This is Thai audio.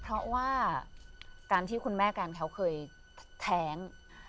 เพราะว่าการที่คุณแม่กันเขาเคยแท้ง